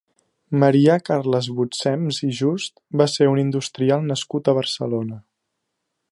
Marià-Carles Butsems i Just va ser un industrial nascut a Barcelona.